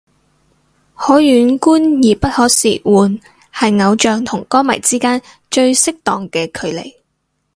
可遠觀而不可褻玩係偶像同歌迷之間最適當嘅距離